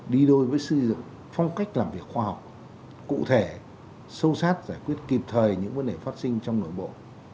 đi đôi với xây dựng phong cách làm việc khoa học cụ thể sâu sát giải quyết kịp thời những vấn đề phát sinh trong nội bộ